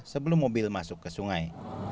sebelum mobil masuk ke sungai